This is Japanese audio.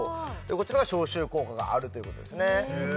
こちらが消臭効果があるということですね